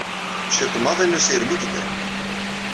Ciṭ maḍi n usirem i yellan.